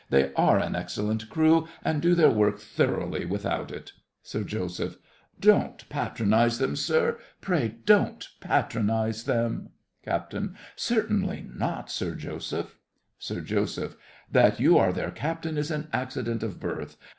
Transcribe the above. They are an excellent crew, and do their work thoroughly without it. SIR JOSEPH. Don't patronise them, sir—pray, don't patronise them. CAPT. Certainly not, Sir Joseph. SIR JOSEPH. That you are their captain is an accident of birth.